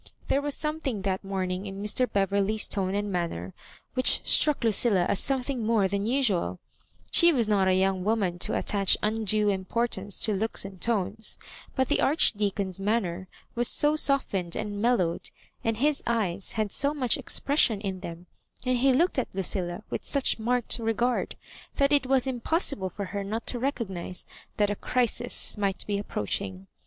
There was something that mornhig ui Mr. Be verley's tone and manner which struck Lucilla as something more than usual She was not a young woman to attach undue importance to looks and tones ; but the Archdeacon's manner was so softened and mellowed, and his eyes had so much expression in them, and he looked at Lucilla with such marked regard, that it was impossible for her not to recognise that a crisis might be approaching.